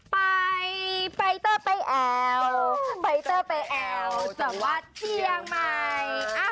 ไปไปเตอร์ไปแอลไปเตอร์ไปแอลสวัสดีเจียงใหม่